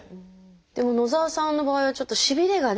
でも野澤さんの場合はちょっとしびれがね